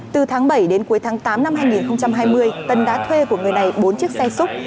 từ tháng bảy đến cuối tháng tám năm hai nghìn hai mươi tân đã thuê của người này bốn chiếc xe xúc